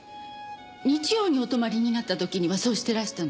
日曜にお泊まりになった時にはそうしてらしたので。